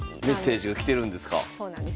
そうなんです。